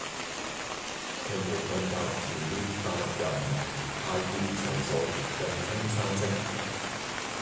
奇門遁甲與大六壬、太乙神數並稱三式。